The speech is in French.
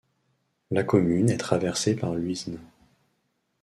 La commune est traversée par l'Huisne.